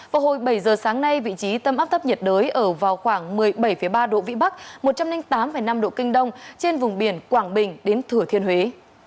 vào hồi bảy giờ sáng nay vị trí tâm áp thấp nhiệt đới ở vào khoảng một mươi bảy ba độ vĩ bắc một trăm linh tám năm độ kinh đông trên vùng biển quảng bình đến thừa thiên huế